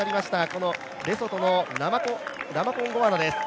このレソトのラマコンゴアナです。